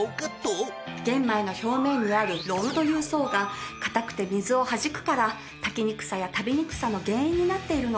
玄米の表面にあるロウという層が硬くて水をはじくから炊きにくさや食べにくさの原因になっているの。